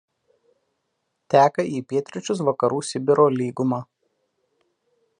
Teka į pietryčius Vakarų Sibiro lyguma.